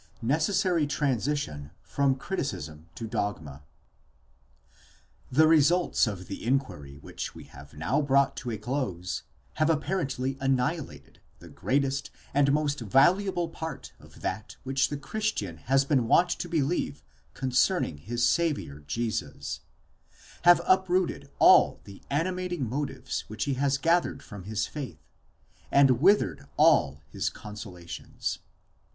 NECESSARY TRANSITION FROM CRITICISM TO DOGMA. THE results of the inquiry which we have now brought to a close, have appar ently annihilated the greatest and most valuable part of that which the Chris tian has been wont to believe concerning his Saviour Jesus, have uprooted all the animating motives which he has gathered from his faith, and withered all his consolations.